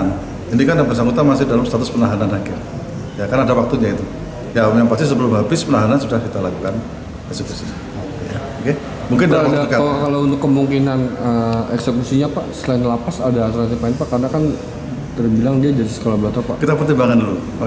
menetapkan terdakwa terdakwa richard elie serpudian lumiu dinyatakan ditutup